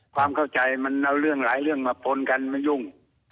ความเข้าใจมันเอาเรื่องหลายเรื่องมาปนกันมายุ่ง